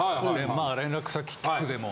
まあ連絡先聞くでも。